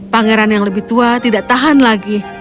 pangeran yang lebih tua tidak tahan lagi